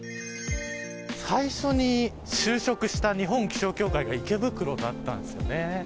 最初に就職した日本気象協会が池袋だったんですよね。